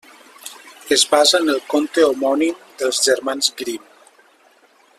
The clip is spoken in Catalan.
Es basa en el conte homònim dels germans Grimm.